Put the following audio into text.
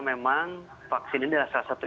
memang vaksin ini adalah salah satu